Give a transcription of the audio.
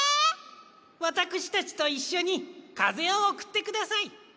わたくしたちといっしょにかぜをおくってください。